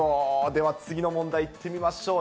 では次の問題、いってみましょう。